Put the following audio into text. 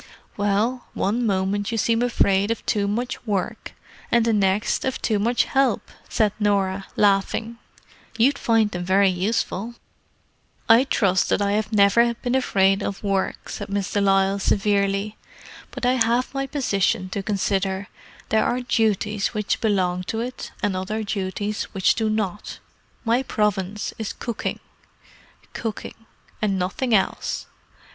"Well, one moment you seem afraid of too much work, and the next, of too much help," said Norah, laughing. "You'd find them very useful." "I trust that I have never been afraid of work," said Miss de Lisle severely. "But I have my position to consider. There are duties which belong to it, and other duties which do not. My province is cooking. Cooking. And nothing else.